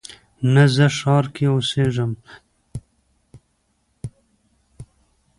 نه، زه ښار کې اوسیږم